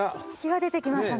出てきましたね。